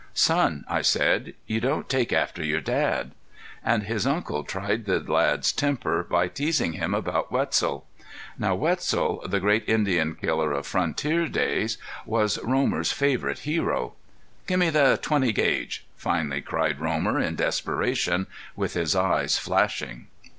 "Son," I said, "you don't take after your Dad." And his uncle tried the lad's temper by teasing him about Wetzel. Now Wetzel, the great Indian killer of frontier days, was Romer's favorite hero. "Gimme the .20 gauge," finally cried Romer, in desperation, with his eyes flashing.